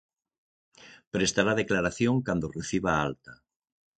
Prestará declaración cando reciba a alta.